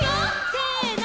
せの！